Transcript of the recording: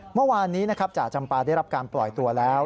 เมื่อวานนี้นะครับจ่าจำปาได้รับการปล่อยตัวแล้ว